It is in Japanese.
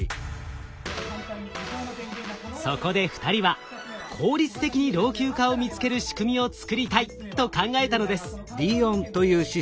そこで２人は効率的に老朽化を見つける仕組みを作りたいと考えたのです。